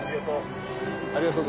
ありがとう。